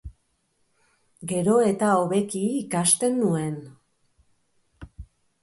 Gero eta hobeki ikasten nuen.